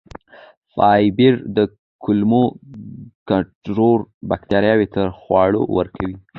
فایبر د کولمو ګټورو بکتریاوو ته خواړه ورکوي.